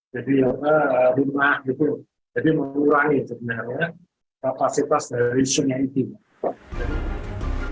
jadi mengurangi sebenarnya kapasitas dari sungai itu